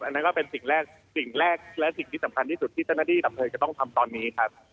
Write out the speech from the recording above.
นั่นก็เป็นสิ่งแรกสิ่งแรกและสิ่งที่สำคัญที่สุดที่เจ้าหน้าที่ดับเพลิงจะต้องทำตอนนี้ครับ